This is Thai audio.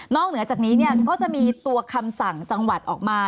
เหนือจากนี้ก็จะมีตัวคำสั่งจังหวัดออกมา